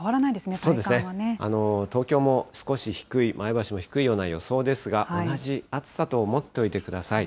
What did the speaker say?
そうですね、東京も少し低い、前橋も低いような予想ですが、同じ暑さと思っておいてください。